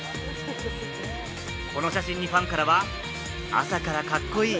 この写真にファンからは、朝からカッコいい！